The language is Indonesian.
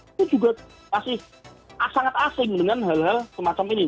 itu juga masih sangat asing dengan hal hal semacam ini